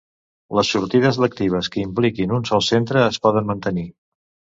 Les sortides lectives que impliquin un sol centre es poden mantenir.